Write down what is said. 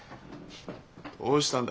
どうしたんだ